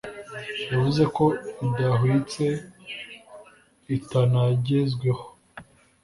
yavuze ko idahwitse itanagezweho